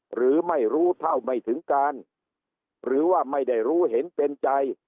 หรือไม่รู้เท่าไม่ถึงการหรือว่าไม่ได้รู้เห็นเป็นใจ